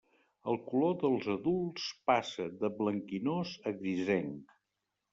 El color dels adults passa de blanquinós a grisenc.